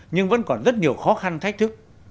nhưng vẫn còn rất nhiều khó khăn thách thức